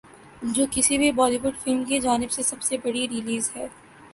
جو کسی بھی بولی وڈ فلم کی جانب سے سب سے بڑی ریلیز ہے